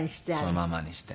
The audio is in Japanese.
そのままにして。